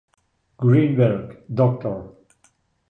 Greenberg, Dr.